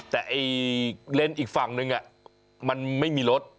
แต่เลนส์อีกฝั่งนึงมันไม่มีรถ